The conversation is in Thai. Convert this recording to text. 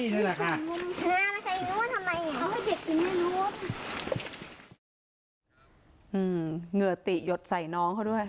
เหงื่อติหยดใส่น้องเขาด้วย